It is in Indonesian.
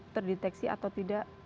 terdeteksi atau tidak